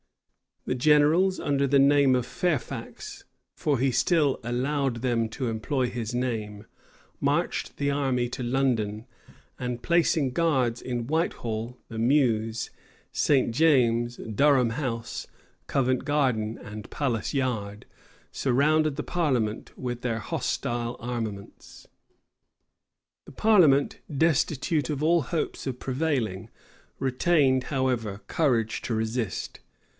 The generals, under the name of Fairfax, (for he still allowed them to employ his name,) marched the army to London, and placing guards in Whitehall, the Mews, St. James's, Durham House, Covent Garden, and Palace Yard, surrounded the parliament with their hostile armaments. The parliament, destitute of all hopes of prevailing, retained, however, courage to resist.